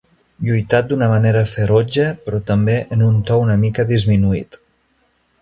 Lluitat d'una manera ferotge, però també en un to una mica disminuït.